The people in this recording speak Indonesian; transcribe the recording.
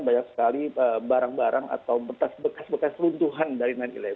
banyak sekali barang barang atau bekas bekas bekas runtuhan dari sembilan ile